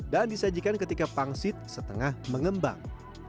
dan disajikan ketika pangsit setengah mengembang